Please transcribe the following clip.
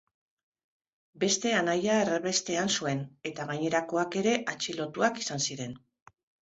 Beste anaia erbestean zuen, eta gainerakoak ere atxilotuak izan ziren.